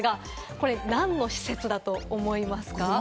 これ何の施設だと思いますか？